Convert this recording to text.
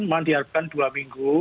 mandiarkan dua minggu